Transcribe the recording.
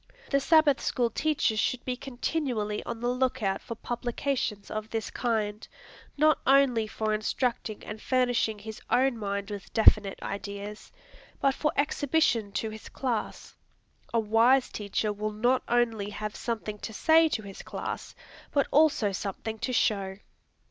The Sabbath School teacher should be continually on the look out for publications of this kind, not only for instructing and furnishing his own mind with definite ideas, but for exhibition to his class. A wise teacher will not only have something to say to his class, but also something to show.